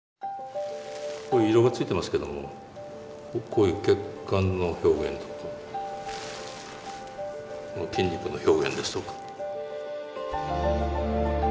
色がついてますけどもこういう血管の表現とか筋肉の表現ですとか。